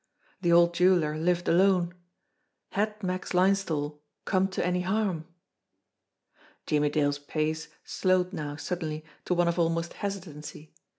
The old jeweller lived alone. Had Max Linesthal come to any harm? Jimmie Dale's pace slowed now suddenly to one of almost hesitancy.